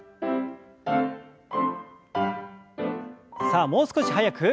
さあもう少し速く。